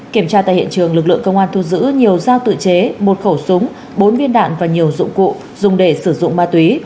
kiểm tra tại hiện trường lực lượng công an thu giữ nhiều dao tự chế một khẩu súng bốn viên đạn và nhiều dụng cụ dùng để sử dụng ma túy